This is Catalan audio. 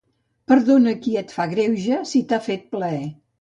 Perdona a qui et fa greuge si t'ha fet plaer.